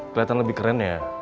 kelihatan lebih kerennya